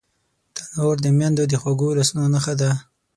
تنور د میندو د خوږو لاسونو نښه ده